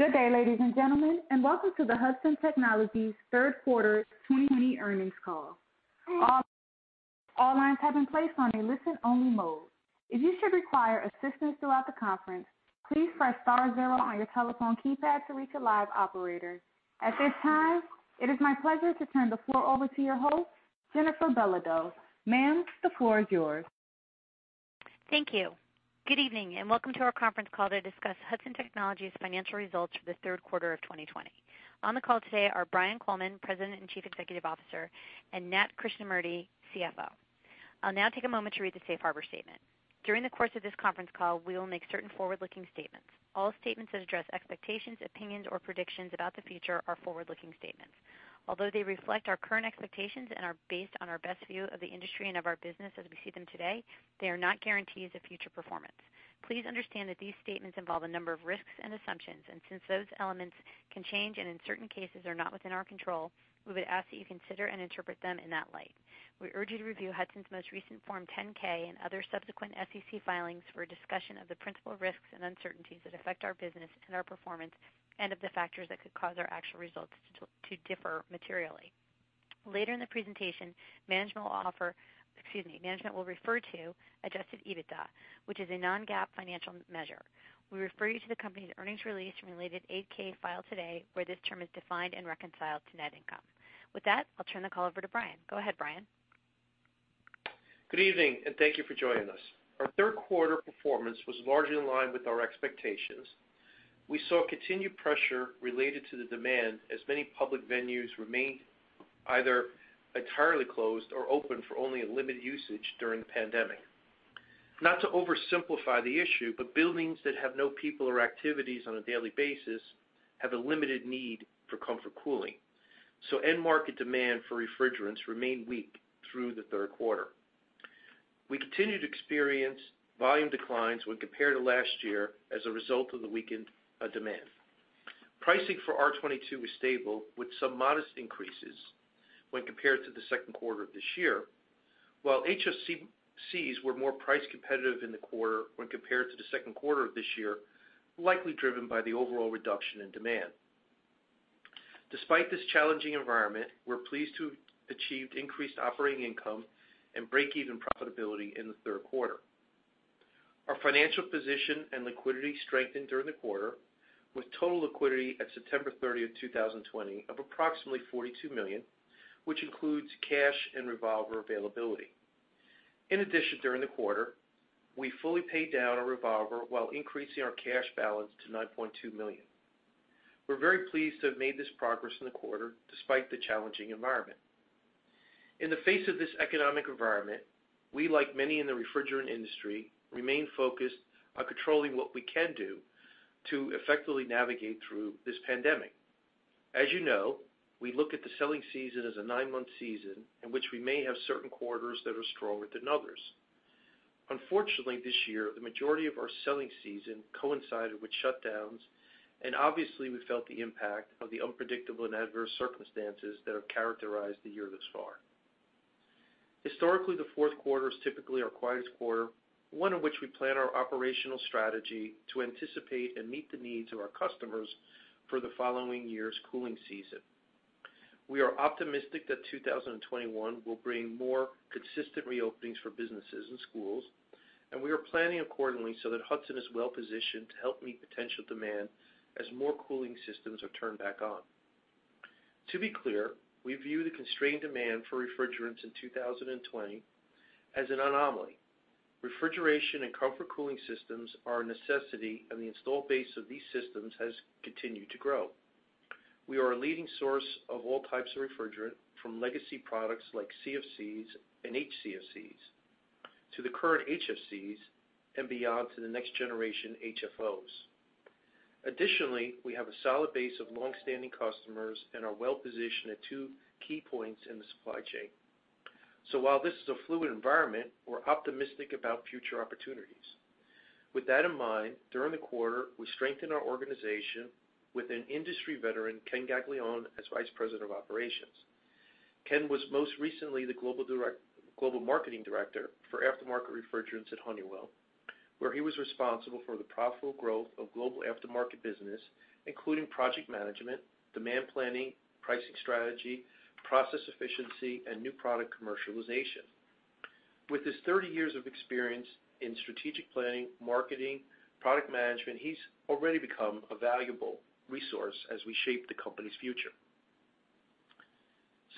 Good day, ladies and gentlemen, and welcome to the Hudson Technologies Q3 2020 Earnings Call. All lines have been placed on a listen-only mode. If you should require assistance throughout the conference, please press star zero on your telephone keypad to reach a live operator. At this time, it is my pleasure to turn the floor over to your host, Jennifer Belodeau. Ma'am, the floor is yours. Thank you. Good evening, and welcome to our conference call to discuss Hudson Technologies' Financial Results for the Q3 of 2020. On the call today are Brian Coleman, President and Chief Executive Officer, and Nat Krishnamurti, CFO. I'll now take a moment to read the safe harbor statement. During the course of this conference call, we will make certain forward-looking statements. All statements that address expectations, opinions, or predictions about the future are forward-looking statements. Although they reflect our current expectations and are based on our best view of the industry and of our business as we see them today, they are not guarantees of future performance. Please understand that these statements involve a number of risks and assumptions, and since those elements can change and in certain cases are not within our control, we would ask that you consider and interpret them in that light. We urge you to review Hudson's most recent Form 10-K and other subsequent SEC filings for a discussion of the principal risks and uncertainties that affect our business and our performance, and of the factors that could cause our actual results to differ materially. Later in the presentation, management will refer to adjusted EBITDA, which is a non-GAAP financial measure. We refer you to the company's earnings release and related 8-K filed today, where this term is defined and reconciled to net income. With that, I'll turn the call over to Brian. Go ahead, Brian. Good evening, and thank you for joining us. Our Q3 performance was largely in line with our expectations. We saw continued pressure related to the demand as many public venues remained either entirely closed or open for only a limited usage during the pandemic. Not to oversimplify the issue, but buildings that have no people or activities on a daily basis have a limited need for comfort cooling, so end market demand for refrigerants remained weak through the Q3. We continued to experience volume declines when compared to last year as a result of the weakened demand. Pricing for R-22 was stable with some modest increases when compared to the Q2 of this year. HFCs were more price competitive in the quarter when compared to the second quarter of this year, likely driven by the overall reduction in demand. Despite this challenging environment, we're pleased to have achieved increased operating income and break-even profitability in the Q3. Our financial position and liquidity strengthened during the quarter, with total liquidity at September 30th, 2020 of approximately $42 million, which includes cash and revolver availability. In addition, during the quarter, we fully paid down our revolver while increasing our cash balance to $9.2 million. We're very pleased to have made this progress in the quarter despite the challenging environment. In the face of this economic environment, we, like many in the refrigerant industry, remain focused on controlling what we can do to effectively navigate through this pandemic. As you know, we look at the selling season as a nine-month season in which we may have certain quarters that are stronger than others. Unfortunately, this year, the majority of our selling season coincided with shutdowns, and obviously, we felt the impact of the unpredictable and adverse circumstances that have characterized the year thus far. Historically, the Q4 is typically our quietest quarter, one in which we plan our operational strategy to anticipate and meet the needs of our customers for the following year's cooling season. We are optimistic that 2021 will bring more consistent reopenings for businesses and schools, and we are planning accordingly so that Hudson is well-positioned to help meet potential demand as more cooling systems are turned back on. To be clear, we view the constrained demand for refrigerants in 2020 as an anomaly. Refrigeration and comfort cooling systems are a necessity, and the install base of these systems has continued to grow. We are a leading source of all types of refrigerant, from legacy products like CFCs and HCFCs to the current HFCs and beyond to the next generation HFOs. Additionally, we have a solid base of longstanding customers and are well-positioned at two key points in the supply chain. While this is a fluid environment, we're optimistic about future opportunities. With that in mind, during the quarter, we strengthened our organization with an industry veteran, Ken Gaglione, as Vice President of Operations. Ken was most recently the Global Marketing Director for aftermarket refrigerants at Honeywell, where he was responsible for the profitable growth of global aftermarket business, including project management, demand planning, pricing strategy, process efficiency, and new product commercialization. With his 30 years of experience in strategic planning, marketing, product management, he's already become a valuable resource as we shape the company's future.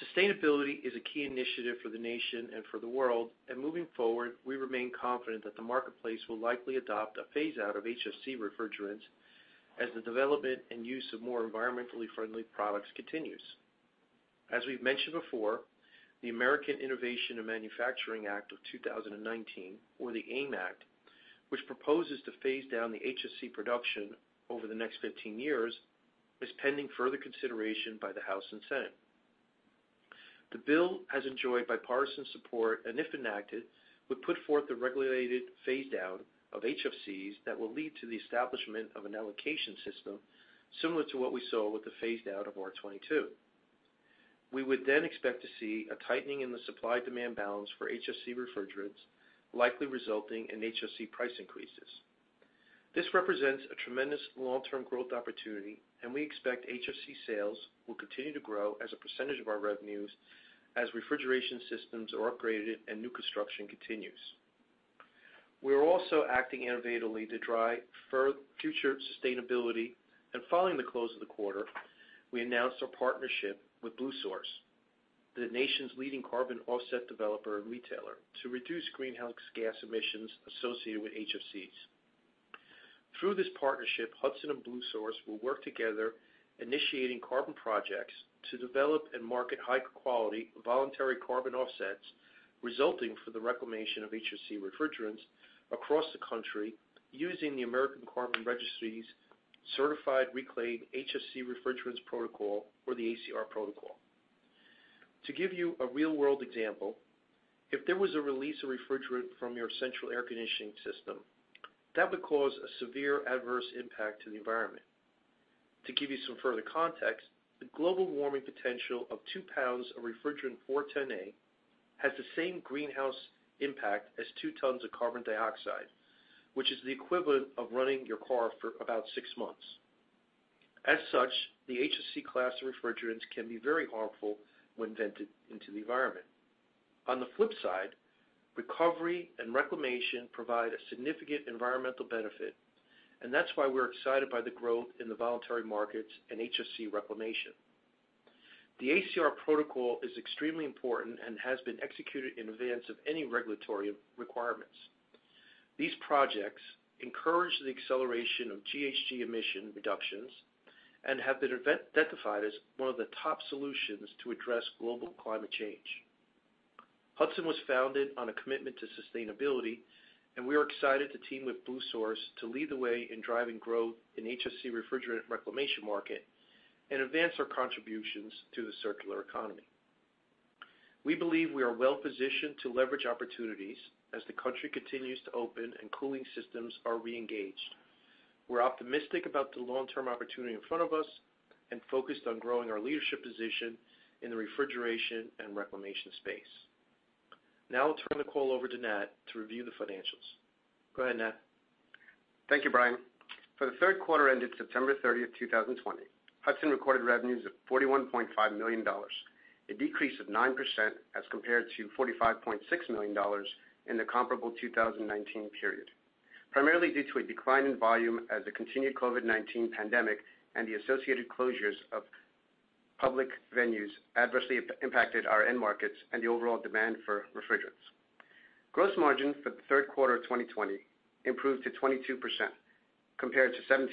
Sustainability is a key initiative for the nation and for the world, moving forward, we remain confident that the marketplace will likely adopt a phase-out of HFC refrigerants as the development and use of more environmentally friendly products continues. As we've mentioned before, the American Innovation and Manufacturing Act of 2020, or the AIM Act, which proposes to phase down the HFC production over the next 15 years, is pending further consideration by the House and Senate. The bill has enjoyed bipartisan support, if enacted, would put forth a regulated phase-down of HFCs that will lead to the establishment of an allocation system similar to what we saw with the phase-down of R-22. We would then expect to see a tightening in the supply-demand balance for HFC refrigerants, likely resulting in HFC price increases. This represents a tremendous long-term growth opportunity, and we expect HFC sales will continue to grow as a percentage of our revenues as refrigeration systems are upgraded and new construction continues. We are also acting innovatively to drive future sustainability, and following the close of the quarter, we announced our partnership with Bluesource, the nation's leading carbon offset developer and retailer, to reduce greenhouse gas emissions associated with HFCs. Through this partnership, Hudson and Bluesource will work together initiating carbon projects to develop and market high-quality voluntary carbon offsets resulting from the reclamation of HFC refrigerants across the country using the American Carbon Registry's Certified Reclaimed HFC Refrigerants Protocol or the ACR Protocol. To give you a real-world example, if there was a release of refrigerant from your central air conditioning system, that would cause a severe adverse impact to the environment. To give you some further context, the global warming potential of two pounds of refrigerant R-410A has the same greenhouse impact as two tons of carbon dioxide, which is the equivalent of running your car for about six months. As such, the HFC class of refrigerants can be very harmful when vented into the environment. On the flip side, recovery and reclamation provide a significant environmental benefit, and that's why we're excited by the growth in the voluntary markets and HFC reclamation. The ACR Protocol is extremely important and has been executed in advance of any regulatory requirements. These projects encourage the acceleration of GHG emission reductions and have been identified as one of the top solutions to address global climate change. Hudson was founded on a commitment to sustainability, and we are excited to team with Bluesource to lead the way in driving growth in HFC refrigerant reclamation market and advance our contributions to the circular economy. We believe we are well-positioned to leverage opportunities as the country continues to open and cooling systems are reengaged. We're optimistic about the long-term opportunity in front of us and focused on growing our leadership position in the refrigeration and reclamation space. Now I'll turn the call over to Nat to review the financials. Go ahead, Nat. Thank you, Brian. For the Q3 ended September 30th, 2020, Hudson recorded revenues of $41.5 million, a decrease of 9% as compared to $45.6 million in the comparable 2019 period, primarily due to a decline in volume as the continued COVID-19 pandemic and the associated closures of public venues adversely impacted our end markets and the overall demand for refrigerants. Gross margin for the Q3 of 2020 improved to 22%, compared to 17%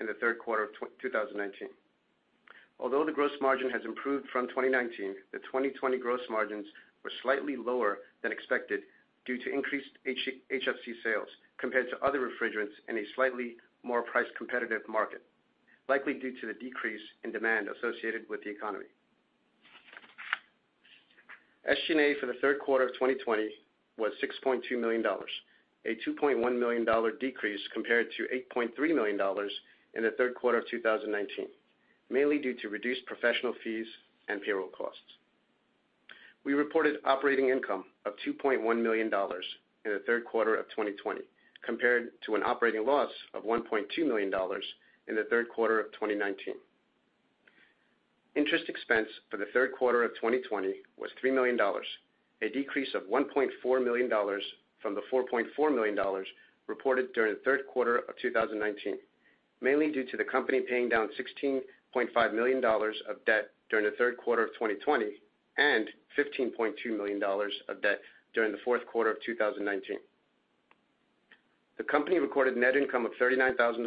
in the Q3 of 2019. Although the gross margin has improved from 2019, the 2020 gross margins were slightly lower than expected due to increased HFC sales compared to other refrigerants in a slightly more price-competitive market, likely due to the decrease in demand associated with the economy. SG&A for the Q3 of 2020 was $6.2 million, a $2.1 million decrease compared to $8.3 million in the Q3 of 2019, mainly due to reduced professional fees and payroll costs. We reported operating income of $2.1 million in the Q3 of 2020, compared to an operating loss of $1.2 million in the Q3 of 2019. Interest expense for the Q3 of 2020 was $3 million, a decrease of $1.4 million from the $4.4 million reported during the Q3 of 2019, mainly due to the company paying down $16.5 million of debt during the Q3 of 2020 and $15.2 million of debt during the Q4 of 2019. The company recorded net income of $39,000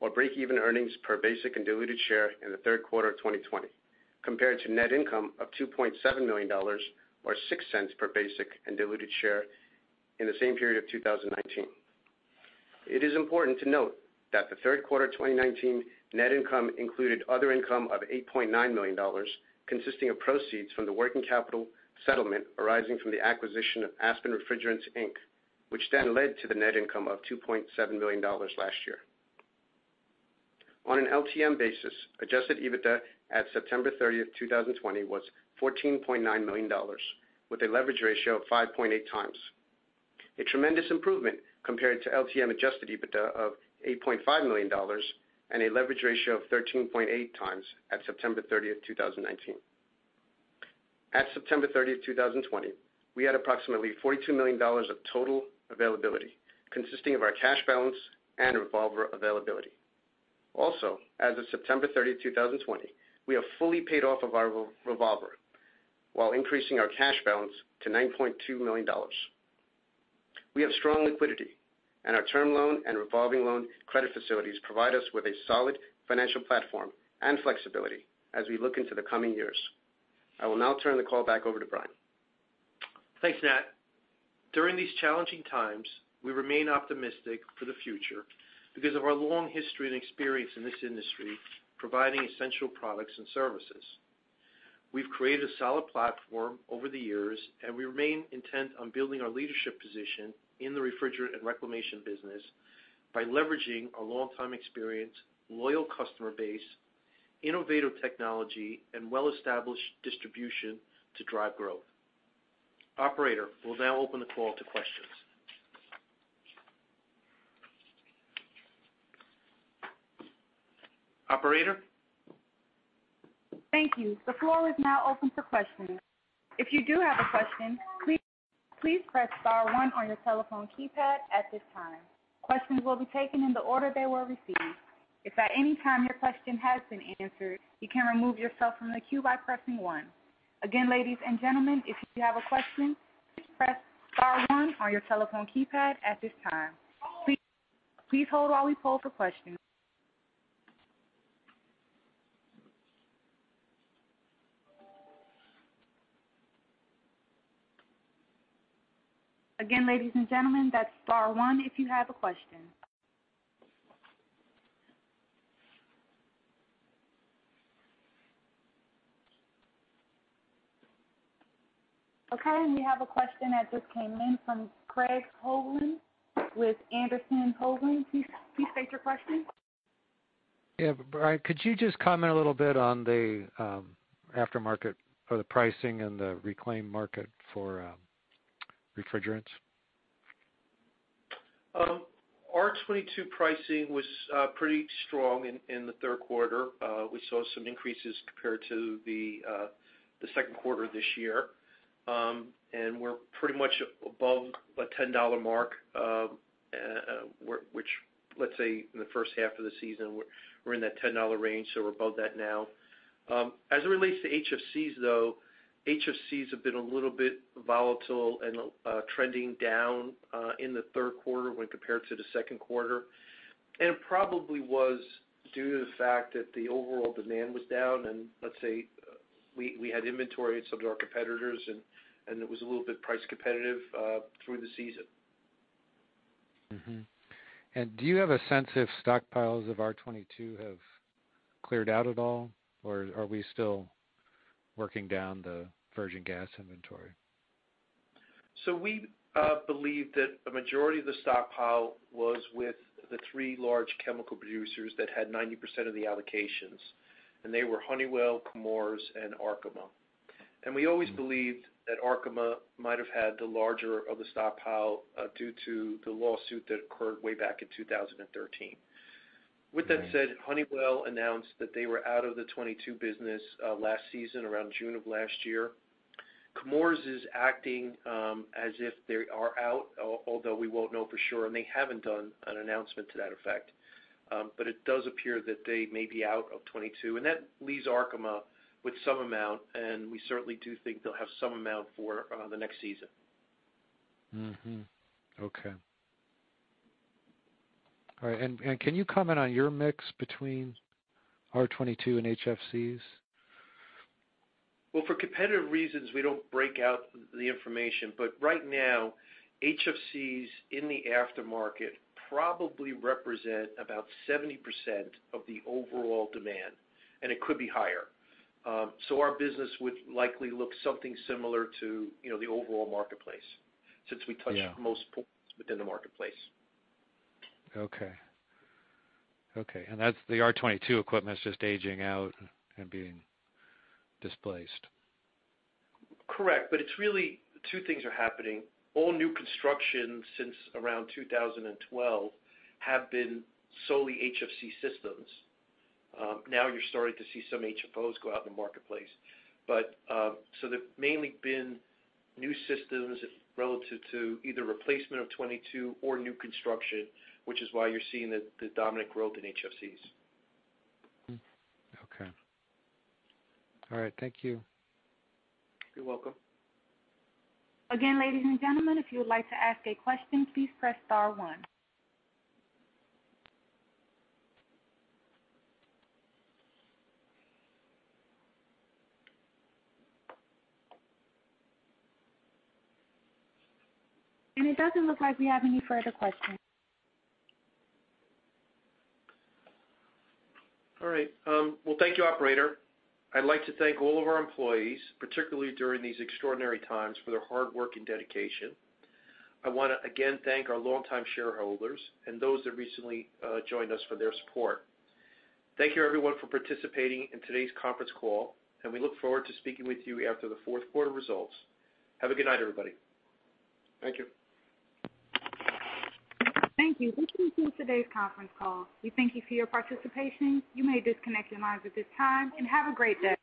or breakeven earnings per basic and diluted share in the Q3 of 2020, compared to net income of $2.7 million, or $0.06 per basic and diluted share in the same period of 2019. It is important to note that the Q3 2019 net income included other income of $8.9 million, consisting of proceeds from the working capital settlement arising from the acquisition of Aspen Refrigerants Inc., which then led to the net income of $2.7 million last year. On an LTM basis, adjusted EBITDA at September 30th, 2020, was $14.9 million, with a leverage ratio of 5.8 times, a tremendous improvement compared to LTM adjusted EBITDA of $8.5 million and a leverage ratio of 13.8 times at September 30th, 2019. At September 30th, 2020, we had approximately $42 million of total availability, consisting of our cash balance and revolver availability. As of September 30th, 2020, we have fully paid off our revolver while increasing our cash balance to $9.2 million. We have strong liquidity, and our term loan and revolving loan credit facilities provide us with a solid financial platform and flexibility as we look into the coming years. I will now turn the call back over to Brian. Thanks, Nat. During these challenging times, we remain optimistic for the future because of our long history and experience in this industry providing essential products and services. We've created a solid platform over the years, and we remain intent on building our leadership position in the refrigerant and reclamation business by leveraging our longtime experience, loyal customer base, innovative technology, and well-established distribution to drive growth. Operator, we'll now open the call to questions. Operator? Thank you. The floor is now open for questions. If you do have a question, please press star one on your telephone keypad at this time. Questions will be taken in the order they were received. If at any time your question has been answered, you can remove yourself from the queue by pressing one. Again, ladies and gentlemen, if you have a question, please press star one on your telephone keypad at this time. Please hold while we poll for questions. Again, ladies and gentlemen, that's star one if you have a question. We have a question that just came in from Craig Hoagland with Anderson Hoagland. Please state your question. Yeah. Brian, could you just comment a little bit on the aftermarket for the pricing and the reclaim market for refrigerants? R-22 pricing was pretty strong in the Q3. We saw some increases compared to the Q2 of this year. We're pretty much above a $10 mark, which, let's say, in the first half of the season, we're in that $10 range, we're above that now. As it relates to HFCs, though, HFCs have been a little bit volatile and trending down in the third quarter when compared to the second quarter. It probably was due to the fact that the overall demand was down and, let's say, we had inventory at some of our competitors, and it was a little bit price competitive through the season. Do you have a sense if stockpiles of R-22 have cleared out at all, or are we still working down the virgin gas inventory? We believe that a majority of the stockpile was with the three large chemical producers that had 90% of the allocations, and they were Honeywell, Chemours, and Arkema. We always believed that Arkema might have had the larger of the stockpile due to the lawsuit that occurred way back in 2013. With that said, Honeywell announced that they were out of the 22 business last season, around June of last year. Chemours is acting as if they are out, although we won't know for sure, and they haven't done an announcement to that effect. It does appear that they may be out of 22, and that leaves Arkema with some amount, and we certainly do think they'll have some amount for the next season. Okay. All right. Can you comment on your mix between R-22 and HFCs? Well, for competitive reasons, we don't break out the information. Right now, HFCs in the aftermarket probably represent about 70% of the overall demand, and it could be higher. Our business would likely look something similar to the overall marketplace since we touch most points within the marketplace. Okay. The R-22 equipment is just aging out and being displaced. Correct. It's really two things are happening. All new construction since around 2012 have been solely HFC systems. Now you're starting to see some HFOs go out in the marketplace. They've mainly been new systems relative to either replacement of 22 or new construction, which is why you're seeing the dominant growth in HFCs. Okay. All right. Thank you. You're welcome. Again, ladies and gentlemen, if you would like to ask a question, please press star one. It doesn't look like we have any further questions. All right. Well, thank you, operator. I'd like to thank all of our employees, particularly during these extraordinary times, for their hard work and dedication. I want to again thank our longtime shareholders and those that recently joined us for their support. Thank you, everyone, for participating in today's conference call. We look forward to speaking with you after the fourth quarter results. Have a good night, everybody. Thank you. Thank you. This concludes today's conference call. We thank you for your participation. You may disconnect your lines at this time, and have a great day.